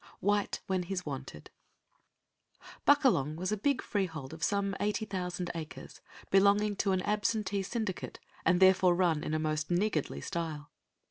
WHITE WHEN HE'S WANTED Buckalong was a big freehold of some 80,000 acres, belonging to an absentee syndicate, and therefore run in most niggardly style.